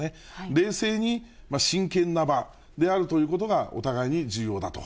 冷静に真剣な場であるということがお互いに重要だと。